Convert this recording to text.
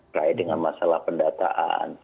berkait dengan masalah pendataan